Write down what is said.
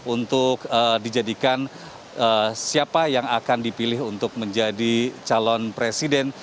untuk dijadikan siapa yang akan dipilih untuk menjadi calon presiden